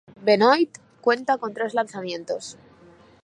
Benoit cuenta con tres lanzamientos.